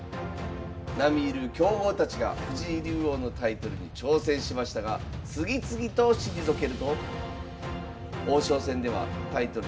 並み居る強豪たちが藤井竜王のタイトルに挑戦しましたが次々と退けると王将戦ではタイトル